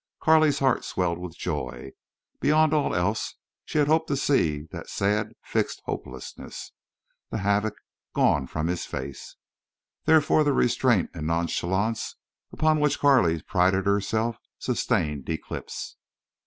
Carley's heart swelled with joy. Beyond all else she had hoped to see the sad fixed hopelessness, the havoc, gone from his face. Therefore the restraint and nonchalance upon which Carley prided herself sustained eclipse.